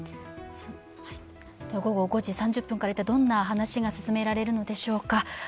午後５時３０分から一体どんな話が進められるのでしょうか。